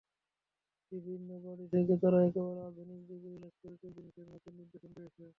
বিভিন্ন বাড়ি থেকে তারা একেবারে আধুনিক যুগের ইলেকট্রিক্যাল জিনিসের মতন নিদর্শন পেয়েছে।